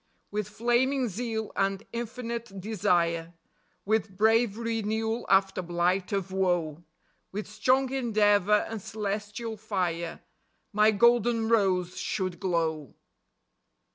With flaming zeal and infinite desire ; With brave renewal after blight of woe ; With strong endeavor and celestial fire, My golden rose should glow.